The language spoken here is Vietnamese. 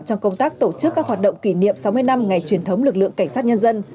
trong công tác tổ chức các hoạt động kỷ niệm sáu mươi năm ngày truyền thống lực lượng cảnh sát nhân dân